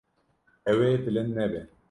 Ew ê bilind nebe.